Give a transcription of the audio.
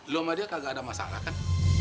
lo sama dia kagak ada masalah kan